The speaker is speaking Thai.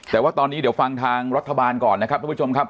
แต่ว่าตอนนี้เดี๋ยวฟังทางรัฐบาลก่อนนะครับทุกผู้ชมครับ